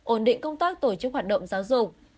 ổn định công tác tổ chức hoạt động giáo dục